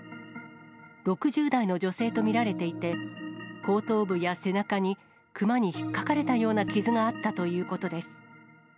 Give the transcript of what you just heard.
６０代の女性と見られていて、後頭部や背中に、クマにひっかかれたような傷があったということです。